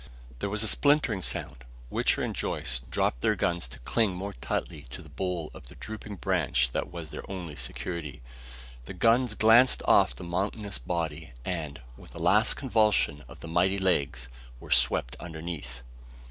There was a splintering sound. Wichter and Joyce dropped their guns to cling more tightly to the bole of the drooping branch that was their only security. The guns glanced off the mountainous body and, with a last convulsion of the mighty legs, were swept underneath!